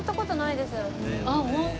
あっホント？